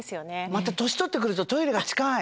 また年とってくるとトイレが近い。